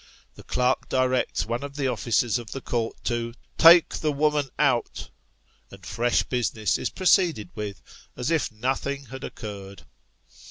The clerk directs one of the officers of the court to " take the woman out," and fresh business is proceeded with, as if nothing had occurred.